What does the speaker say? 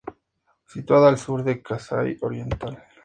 Situada al sur de Kasai Oriental.